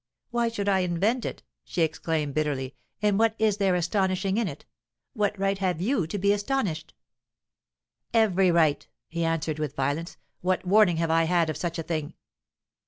"Why should I invent it?" she exclaimed bitterly "And what is there astonishing in it? What right have you to be astonished?" "Every right!" he answered, with violence. "What warning have I had of such a thing?"